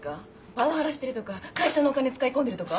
パワハラしてるとか会社のお金使い込んでるとか。